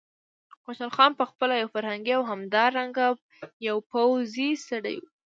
خوشحال خان په خپله یو فرهنګي او همدارنګه یو پوځي سړی و.